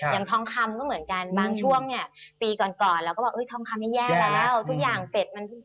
อย่างทองคำก็เหมือนกันบางช่วงเนี่ยปีก่อนเราก็บอกทองคำนี้แย่แล้ว